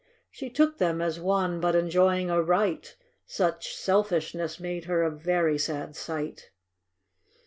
She took them as one hut enjoying a right, — Such selfishness made her a very sad sight.